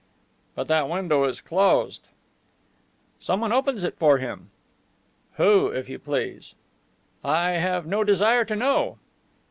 "But that window is closed." "Someone opens it for him." "Who, if you please?" "I have no desire to know."